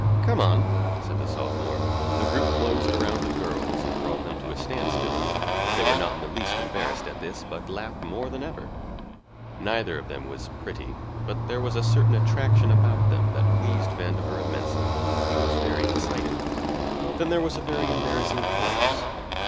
"Come on," said the sophomore. The group closed around the girls and brought them to a standstill; they were not in the least embarrassed at this, but laughed more than ever. Neither of them was pretty, but there was a certain attraction about them that pleased Vandover immensely. He was very excited. Then there was a very embarrassing pause.